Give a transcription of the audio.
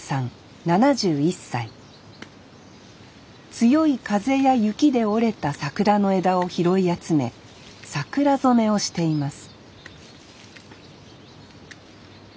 強い風や雪で折れた桜の枝を拾い集め桜染めをしています